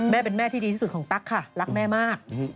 แม่เป็นแม่ที่ดีที่สุดของตั๊กค่ะรักแม่มาก